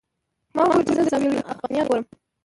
ما ورته وویل چې زه الزاویة الافغانیه ګورم.